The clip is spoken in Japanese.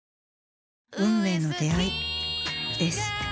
運命の出会いです。